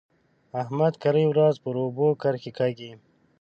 احمد کرۍ ورځ پر اوبو کرښې کاږي.